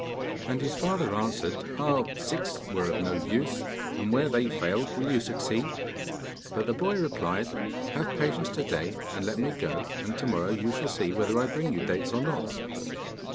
And his father answered, 'Ah, six were of no use, and where they failed, will you succeed?' But the boy replied: 'Have patience to day, and let me go, and to morrow you shall see whether I bring you dates or not.